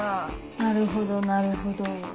なるほどなるほど。